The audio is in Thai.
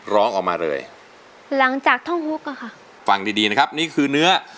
ร้องออกมาเลย